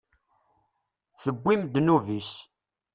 Tewwim ddnub-is.